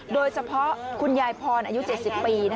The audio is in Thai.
โดยเฉพาะคุณยายพรอายุ๗๐ปี